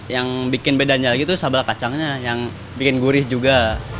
yang bikin bedanya lagi tuh sambal kacangnya yang bikin gurih juga